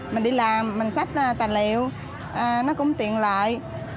mình đi làm mình sách tài liệu nó cũng tiện lợi